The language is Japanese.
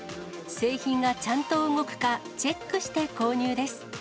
製品がちゃんと動くか、チェックして購入です。